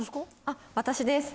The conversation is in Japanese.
あ私です。